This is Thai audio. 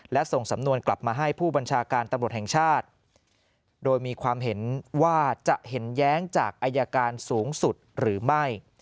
และส่งสำนวนกลับมาให้ผู้บัญชาการตำรวจแห่งชาติโดยมีความเห็นว่าจะเห็นแย้งจากอายการสูงสุดหรือไม่